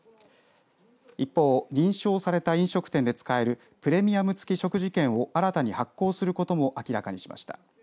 一方、認証された飲食店で使えるプレミアム付き食事券を新たに発行することも明らかにしました。